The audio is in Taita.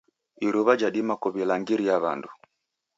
Iruwa jadima kuwilangaria wandu.